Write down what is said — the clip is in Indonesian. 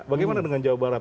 bagaimana dengan jawa barat